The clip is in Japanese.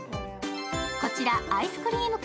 こちらアイスクリーム